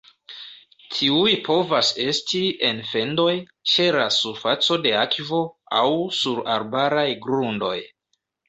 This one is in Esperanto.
Tiuj povas esti en fendoj, ĉe la surfaco de akvo, aŭ sur arbaraj grundoj.